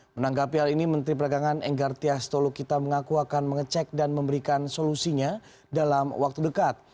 menanggapi hal ini menteri peragangan enggartia stolukita mengaku akan mengecek dan memberikan solusinya dalam waktu dekat